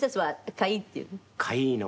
かいーの。